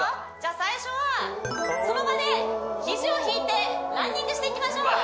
最初はその場で肘を引いてランニングしていきましょう